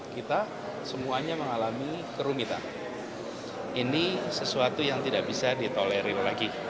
kita semuanya mengalami kerumitan ini sesuatu yang tidak bisa ditolerir lagi